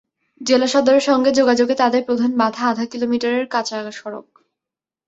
জেলা সদরের সঙ্গে যোগাযোগে তাদের প্রধান বাধা আধা কিলোমিটার কাঁচা সড়ক।